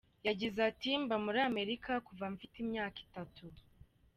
Yagize ati “Mba muri Amerika kuva mfite imyaka itatu.